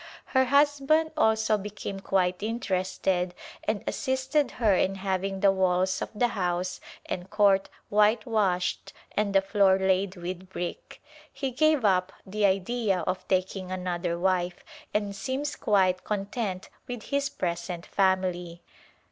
Her husband also became quite interested and assisted her in having the walls of the house and court white washed and the floor laid with brick. He gave up the idea of taking another wife and seems quite con tent with his present family.